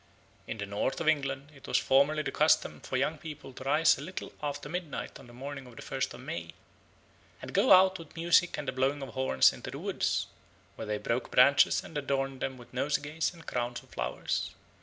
In the north of England it was formerly the custom for young people to rise a little after midnight on the morning of the first of May, and go out with music and the blowing of horns into the woods, where they broke branches and adorned them with nosegays and crowns of flowers.